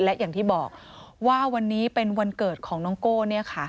และอย่างที่บอกว่าวันนี้เป็นวันเกิดของน้องโก้เนี่ยค่ะ